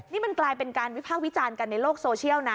นี่มันกลายเป็นการวิพากษ์วิจารณ์กันในโลกโซเชียลนะ